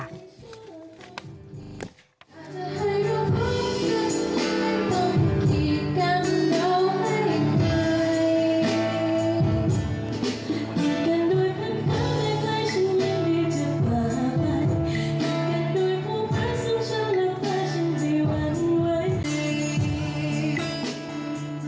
โดยผู้พัฒน์สุดชอบและแฟนฉันมีวันไว้